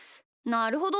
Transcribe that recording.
なるほど。